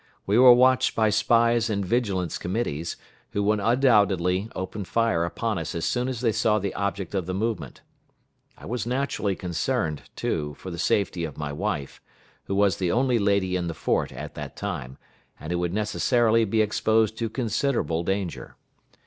We were watched by spies and vigilance committees, who would undoubtedly open fire upon us as soon as they saw the object of the movement. I was naturally concerned, too, for the safety of my wife, who was the only lady in the fort at that time, and who would necessarily be exposed to considerable danger.